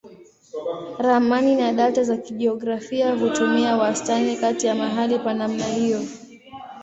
Ramani na data za kijiografia hutumia wastani kati ya mahali pa namna hiyo.